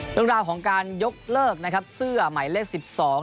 เรื่องราวของการยกเลิกเสื้อใหม่เลขสิบสอง